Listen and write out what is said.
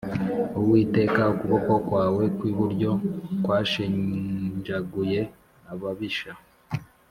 uwiteka, ukuboko kwawe kw’iburyo kwashenjaguye ababisha.